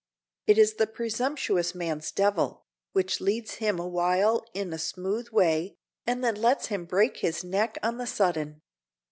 It is the presumptuous man's devil, which leads him awhile in a smooth way, and then lets him break his neck on the sudden.